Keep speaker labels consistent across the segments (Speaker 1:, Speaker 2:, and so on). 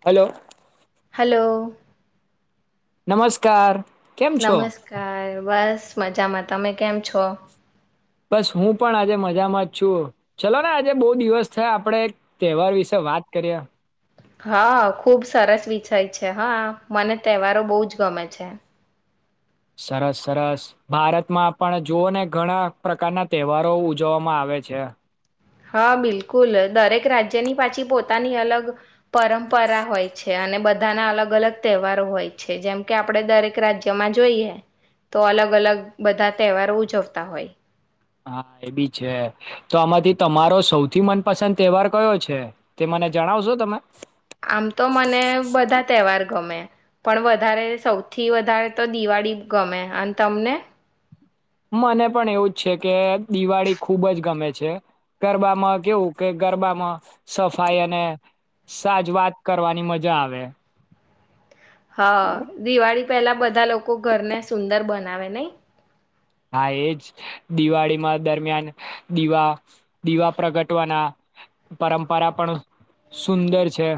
Speaker 1: hello
Speaker 2: hello
Speaker 1: નમસ્કાર કેમ છો
Speaker 2: નમસ્કાર બસ મજામાં તમે કેમ છો
Speaker 1: બસ હું પણ આજે મજામાં જ છું ચલો ને આજે બહુ દિવસ થયા આપણેે તહેવાર વિશે વાત કરીએ
Speaker 2: હા ખુબ સરસ વિષય છે હા મને તહેવારો બહુ જ ગમે છે
Speaker 1: સરસ સરસ ભારતમાં પણ જોુવઓ ને ઘણા પ્રકારના તહેવારો ઉજવવામાં આવે છે
Speaker 2: હા બિલકુલ દરેક રાજ્યની પાછી પોતાની અલગ પરંપરા હોય છે અને બધાના અલગ અલગ તહેવારો હોય છે જેમ કે આપડ દરેક રાજ્યમાં જોઈએ તો અલગ અલગ બધા તહેવારો ઉજવતા હોય
Speaker 1: હા એ બી છે તો આમાંથી તમારો સૌથી મનપસંદ તહેવાર કયો છે તે મને જણાવશો તમે
Speaker 2: આમ તો મને બધા તહેવાર ગમે પણ વધારે સૌથી વધારે તો દિવાળી ગમે અને તમને
Speaker 1: મને પણ એવુંજ છે કે દિવાળી ખુબ જ ગમે છે ગરબામાં કેવું કે ગરબામાં સફાઈ અને સાજ વાત કરવાની મજા આવે
Speaker 2: હા દિવાળી પેલા બધા લોકો ઘરને સુંદર બનાવે નહ
Speaker 1: હા એજ દિવાળીમાં દરમિયાન દીવા દીવા પ્રગટવાના પરંપરા પણ સુંદર છે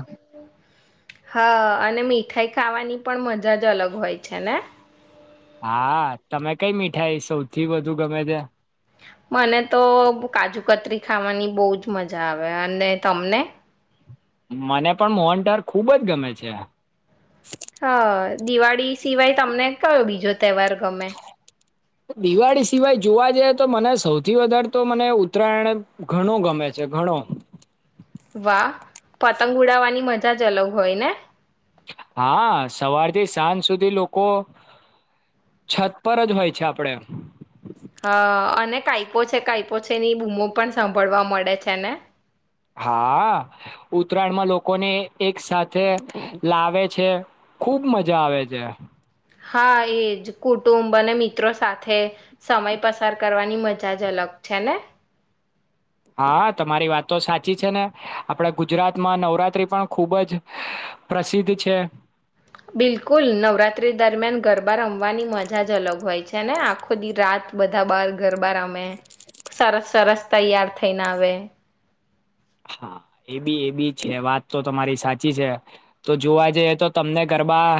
Speaker 2: હા અને મીઠાઈ ખાવાની પણ મજા જ અલગ હોય છે ને
Speaker 1: હા તમે કઈ મીઠાઈ સૌથી વધુ ગમે ત
Speaker 2: મને તો કાજુ કતરી ખાવાની બહજ મજા આવે અને તમને
Speaker 1: મને પણ મોહનદાર ખુબ જ ગમે છે
Speaker 2: હા દિવાળી સિવાય તમને કયો બીજો તહેવાર ગમે
Speaker 1: દિવાળી સિવાય જોવા જઈએ તો મને સૌથી વધારે તો મને ઉત્તરાયણ ઘણો ગમે છે ઘણો
Speaker 2: વાહ પતંગ ઉડાવવાની મજા જ અલગ હોય ને
Speaker 1: હા સવારથી સાંજ સુધી લોકો છત પર જ હોય છે આપડે
Speaker 2: હા અને કઈપો છે કઈપો છે ની બૂમો પણ સાંભળવા મળે છે ને
Speaker 1: હા ઉત્તરાયણમાં લોકોને એક સાથે લાવે છે ખુબ મજા આવે છે
Speaker 2: હા એજ કુટુંબ અને મિત્રો સાથે સમય પસાર કરવાની મજા જ અલગ છે ને
Speaker 1: હા તમારી વાત તો સાચી છે ને આપડે ગુજરાતમાં નવરાત્રી પણ ખુબ જ પ્રસિદ્ધ છે
Speaker 2: બિલકુલ નવરાતિ દરમિયાન ગરબા રમવાની મજા જ અલગ હોય છે ને આખો દી રાત બધા બાર ગરબાર રમે સરસ સરસ તૈયાર થઈને આવે
Speaker 1: હા એ બી એ બી છે વાત તો તમારી સાચી છે તો જોવા જઈએ તો તમને ગરબા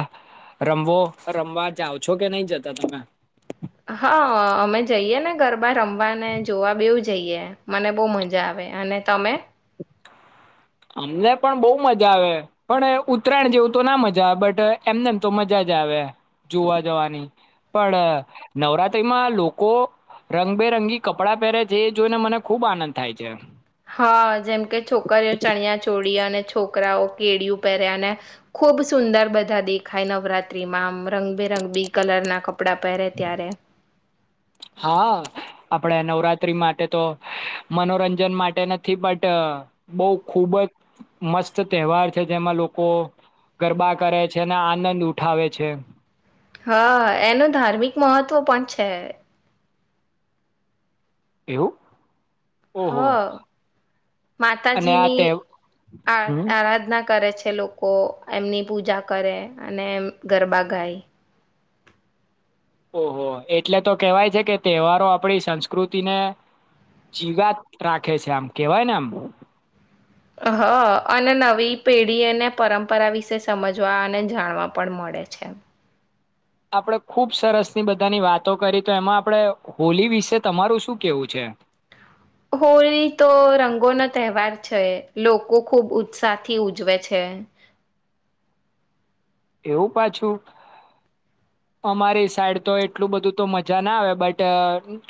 Speaker 1: રમવો રમવા જઓ છો કે નહી જતા તમે
Speaker 2: હા અમે જઈએ ને ગરબા રમવા અનેને જોવા બેવું જઈએ મને બહુ મજા આવે અને તમે
Speaker 1: અમને પણ બહ મજા આવે પણ ઉત્તરાયણ જેવું તો ના મજા આવે બટ એમને તો મજા જ આવે જોવા જવાની પણ નવરાત્રીમાં લોકો રંગબેરંગી કપડાં પહેરે છે એ જોઈને મને ખુબ આનંદ થાય છે
Speaker 2: હા જેમકે છોકરીઓ ચણિયા ચોળ અને છોકરાઓ કેળિયું પહેર્યા અને ખુબ સુંદર બધા દેખાય નવરાત્રીમાં આમ રંગબેરંગ બી કલર ના ક કપડાં પહેરે ત્યારે
Speaker 1: હા આપડે નવરાત્રી માટે તો મનોરંજન માટે નથી બટ બહ ખુબ જ મસ્ત તહેવાર છે જેમાં લોકો ગરબા કરે છે અને આનંદ ઉઠાવે છે
Speaker 2: હા એનું ધાર્મિક મહત્ત્વ પણ છે
Speaker 1: એવું
Speaker 2: હ
Speaker 1: ઓહો અને આ
Speaker 2: માતાજીની
Speaker 1: તહેવ
Speaker 2: આ
Speaker 1: હમ
Speaker 2: આરાધના કરે છે લોકો એમની પૂજા કરે અને એમ ગરબા ગાય
Speaker 1: ઓહો એટલે તો કેવાય છે કે તહેવારો આપણી સંસ્કૃતિને જીવાત રાખે છે આમ કેવાયને આમ
Speaker 2: હ અને નવી પેઢી અને પરંપરા વિશે સમજવા અને જાણવા પણ મળે છે
Speaker 1: આપણેે ખુબ સરસ ની બધાની વાતો કરી તો એમાં આપણે હોલી વિશે તમારું શું કેવું છે
Speaker 2: હોળી તો રંગોનો તહેવાર છે લોકો ખુબ ઉત્સાહથી ઉજવે છે
Speaker 1: એવું પાછું અમારી સાઈડ તો એટલું બધું તો મજા ના આવે બટ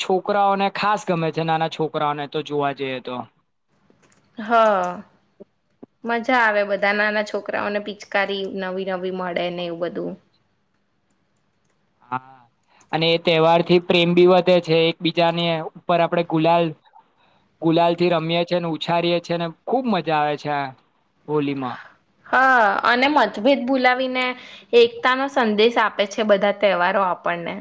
Speaker 1: છોકરાઓને ખાસ ગમે છે નાના છોકરાઓને તો જોવા જઈએ તો
Speaker 2: હા મજા આવે બધા નાના છોકરાઓને પિચકારી નવી નવી મળે ને એવું બધું
Speaker 1: હા અને એ તહેવાર થી પ્રેમ બી વધે છે એકબીજાને ઉપર આપડે ગુલાલ ગુલાલ થી રમીએ છેને ઉછારીએ છીએ અને ખુબ મજા આવે છે આ હોલીમાં
Speaker 2: હા અને મતભેદ બોલાવીને એકતા નો સંદેશ આપે છે બધા તહેવારો આપણને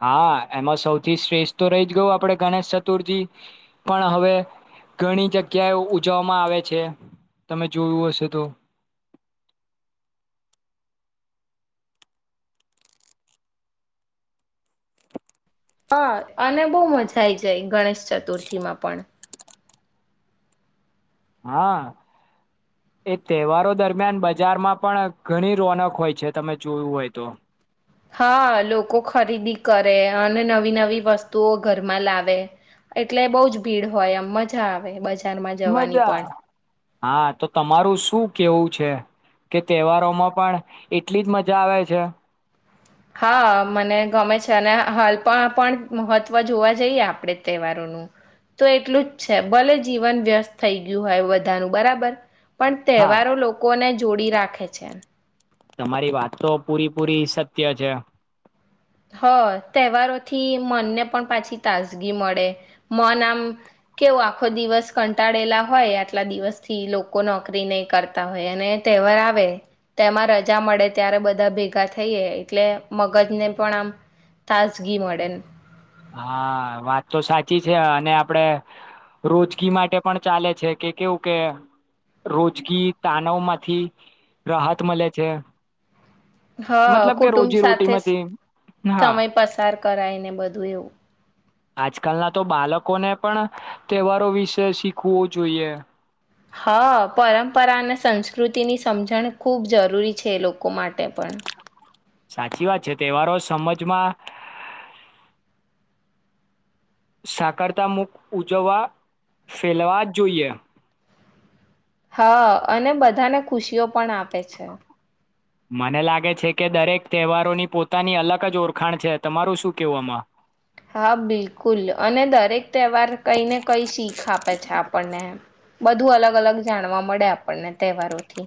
Speaker 1: હા એમાં સૌથી શ્રેષ્ઠ તો રહી ગયો આપણે ગણેશ ચતુર્થી પણ હવે ઘણી જગ્યાએ ઉજવવામાં આવે છે તમે જોયું હશે તો
Speaker 2: હા અને બહુ મજા આઈ જાય ગણેશ ચતુર્થી માં પણ
Speaker 1: હા એ તહેવારો દરમિયાન બજારમાં પણ ઘણી રોનક હોય છે તમે જોયું હોય તો
Speaker 2: હા લોકો ખરીદી કરે અને નવી નવી વસ્તુઓ ઘરમાં લાવે એટલે બહુજ ભીડ હોય એમ મજા આવે બજારમાં જવાની
Speaker 1: મજા
Speaker 2: પણ
Speaker 1: હા તો તમારું શું કેવું છે કે તહેવારોમાં પણ એટલી જ મજા આવે છે
Speaker 2: હા મને ગમે છે અને હાલ પણ પણ મહત્વ જોવા જઈએ આપણે તહેવારોનું તો એટલું જ છે ભલે જીવન વ્યસ્ત થઈ ગયું હોય બધાનું બરાબર પણ
Speaker 1: હા
Speaker 2: તહેવારો લોકોને જોડી રાખે છે
Speaker 1: તમારી વાત તો પૂરી પૂરી સત્ય છે
Speaker 2: હ તહેવારોથી મનને પણ પાછી તાજગી મળે મન આમ કેવું આખો દિવસ કંટાળેલા હોય આટલા દિવસથી લોકો નોકરી નહી કરતા હોય અને તહેવાર આવે તેમાં રજા મળે ત્યારે બધા ભેગા થઈએ એટલે મગજને પણ આમ તાજગી મળે
Speaker 1: હા વાત તો સાચી છે અને આપડે રોજગી માટે પણ ચાલે છે કે કેવું કે રોજગી તાનાવ માંથી રાહત મળે છે
Speaker 2: હા
Speaker 1: મતલબ કે
Speaker 2: કુટુંબ
Speaker 1: રોજી રોટી
Speaker 2: સાથે
Speaker 1: માંથી
Speaker 2: સમય પસાર કરાય ને બધું એવું
Speaker 1: આજ કલ ના તો બાળકોને પણ તહેવારો વિશે શીખવું જોઈએ
Speaker 2: હા પરંપરા અને સંસ્કૃતિની સમજણ ખૂબ જરૂરી છે એ લોકો માટે પણ
Speaker 1: સાચી વાત છે તહેવારો સમજમાં સાકારતા મુખ ઉજવવા ફેલાવા જોઈએ
Speaker 2: હા અને બધાને ખુશીઓ પણ આપે છે
Speaker 1: મને લાગે છે કે દરેક તહેવારોની પોતાની અલગ જ ઓરખાણ છે તમારું શું કેવું આમાં
Speaker 2: હા બિલકુલ અને દરેક તહેવાર કઈ ને કઈ શીખ આપે છે આપણને બધું અલગ અલગ જાણવા મળે આપણને તહેવારોથી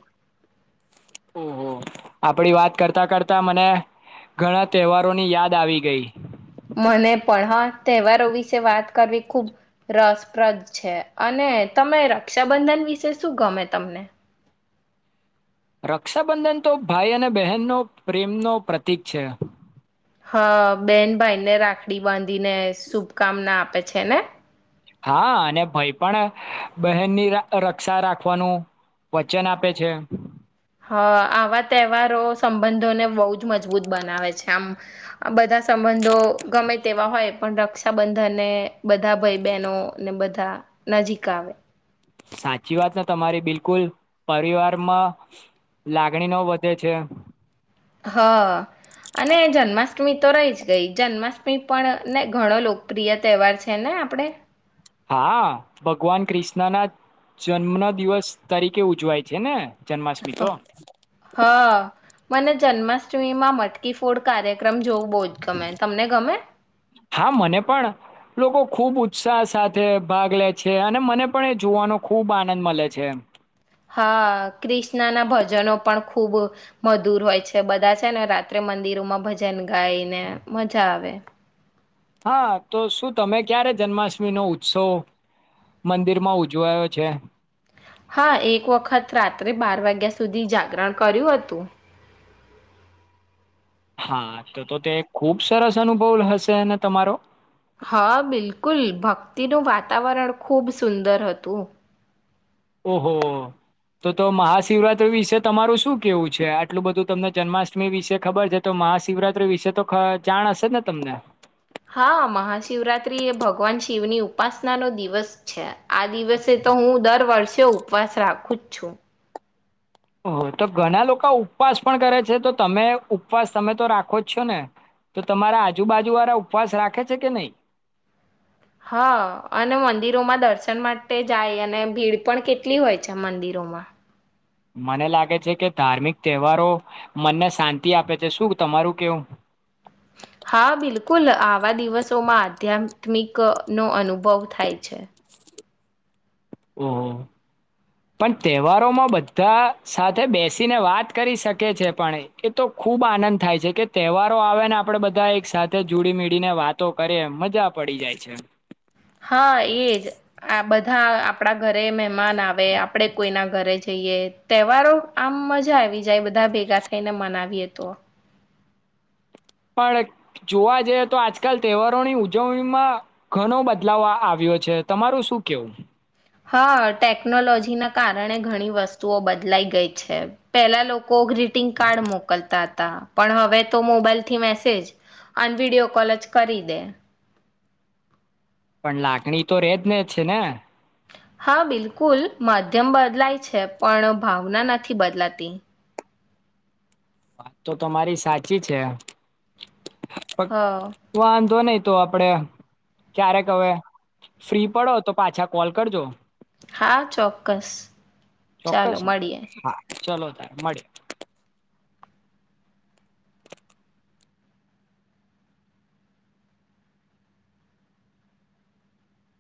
Speaker 1: ઓહ આપડી વાત કરતા કરતા મને ઘણા તહેવારોની યાદ આવી ગઈ
Speaker 2: મને પણ હા તહેવારો વિશે વાત કરવી ખુબ રસપ્રદ છે અને તમે રક્ષાબંધન વિશે શું ગમે તમને
Speaker 1: રક્ષાબંધન તો ભાઈ અને બહેનનો પ્રેમનો પ્રતીક છે
Speaker 2: હા બેન ભાઈ ને રાખડી બાંધે ને શુભકામના આપે છે છે ને
Speaker 1: હા અને ભાઈ પણ બહેનની રક્ષા રાખવાનું વચન આપે છે
Speaker 2: હ આવા તહેવારો સંબંધોને બહુ જ મજબૂત બનાવે છે આમ બધા સંબંધો ગમે તેવા હોય પણ રક્ષાબંધનને બધા ભાઈ બહેનો ને બધા નજીક આવે
Speaker 1: સાચી વાત તમારી બિલકુલ પરિવારમાં લાગણી ન વધે છે
Speaker 2: હા અને જન્માષ્ટમી તો રહી જ ગઈ જન્માષ્ટમી પણ ને ઘણો લોકપ્રિય તહેવાર છે ને આપણે
Speaker 1: હા ભગવાન ક્રષ્ણ ના જન્મ દિવસ તરીકે ઉજવાય છે ને જન્માષ્ટમી તો
Speaker 2: હ- હા મને જન્માષ્ટમી માં મટકી ફોડ કાર્યક્ર
Speaker 1: હા મને પણ લોકો ખુબ ઉત્સાહ સાથે ભાગ લે છે અને મને પણ એ જોવાનો ખુબ આનંદ મળે છે
Speaker 2: હા ક્રિષ્ણા ના ભજનો પણ ખ ખૂબ મધુર હોય છે બધા છે ને રાત્રે મંદિરોમાં ભજન ગાઈને મજા આવે
Speaker 1: હા તો શું તમે ક્યારે જન્માષ્ટમી નો ઉત્સવ મંદિરમાં ઉજવાયો છે
Speaker 2: હા એક વખત રાત્રે બાર વાગ્યા સુધી જાગરણ કર્યું હતું
Speaker 1: હા તો તો તે ખુબ સરસ અનુભવ હશે ને તમારો
Speaker 2: હા બિલકુલ ભક્તિનું વાતાવરણ ખુબ સુંદર હતું
Speaker 1: ઓહો તો તો મહાશિવરાત્રી વિશે તમારું શું કેવું છે આટલું બધું તમને જન્માષ્ટમી વિશે ખબર છે તો મહાશિવરાત્રી વિશે તો અ જાણ હશે ને તમને
Speaker 2: હા મહાશિવરાત્રી એ ભગવાન શિવની ઉપાસના નો દિવસ છે આ દિવસે તો હું દર વર્ષે ઉપવાસ રાખું જ છું
Speaker 1: ઓ તો ઘણા લોકો ઉપવાસ પણ કરે છે તો તમે ઉપવાસ તમે તો રાખો જ છો ને તો તમારા આજુબાજુ વાળા ઉપવાસ રાખે છે કે નહી
Speaker 2: હા અને મંદિરોમાં દર્શન માટે જાય અને ભીડ પણ કેટલી હોય છે મંદિરોમાં
Speaker 1: મને લાગે છે કે ધાર્મિક તહેવારો મનને શાંતિ આપે છે શું તમારું કેવું
Speaker 2: હા બિલકુલ આવા દિવસોમાં આધ્યાત્મિક નો અનુભવ થાય છે
Speaker 1: ઓહ પણ તહેવારોમાં બધા સાથે બેસીને વાત કરી શકે છે પણ એતો ખૂબ આનંદ થાય છે કે તહેવારો આવે ને આપણે બધા એક સાથે જોડી મીળને વાતો કરીએ મજા પડી જાય છે
Speaker 2: હા એજ આ બધા આપણા ઘરે મે મમાન આવે આપડે કોઈના ઘરે જ જઈએ તહેવારો આમ મજા આવી જાય બધા ભેગા થઈને મનાવીએ તો
Speaker 1: પણ જોવા જઈએ તો આજકાલ તહેવારોની ઉજવણીમાં ઘણો બદલાવ આવ્યો છે તમારું શું કેવું
Speaker 2: હા ટેકનોલોજીના કારણે ઘણી વસ્તુઓ બદલાઈ ગઈ છે પેલા લોકો ગ્રીટિંગ કાર્ડ મોકલતા હતા પણ હવે તો મોબાઈલ થી મેસેજ અને વિડિયો કોલ જ કરી દે
Speaker 1: પણ લાગણી તો રેજ ને જ છે ને
Speaker 2: હા બિલકુલ માધ્યમ બદલાય છે પણ ભાવના નથી બદલાતી
Speaker 1: વાત તો તમારી સાચી છે વા
Speaker 2: હ
Speaker 1: વાંધોની તો આપડે ક્યારેક હવે ફ્રી પડો તો પાછા કોલ કરજો
Speaker 2: હા ચોક્કસ ચાલો
Speaker 1: ચોક્કસ
Speaker 2: મળીએ
Speaker 1: હા ચલો તાર મળયે